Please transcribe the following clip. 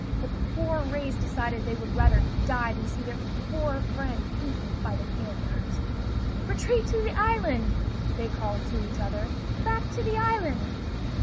The poor rays decided they would rather die than see their poor friend eaten by the panthers. "Retreat to the island!" they called to each other. "Back to the island!"